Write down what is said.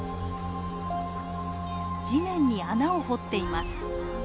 地面に穴を掘っています。